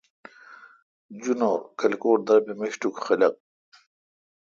جنور کلکوٹ درام اے میشٹوک خلق۔